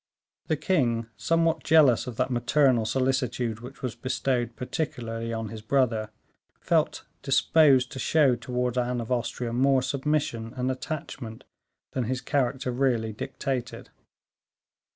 The king, somewhat jealous of that maternal solicitude which was bestowed particularly on his brother, felt disposed to show towards Anne of Austria more submission and attachment than his character really dictated.